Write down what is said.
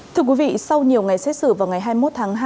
thưa quý vị sau nhiều ngày xét xử vào ngày hai mươi một tháng hai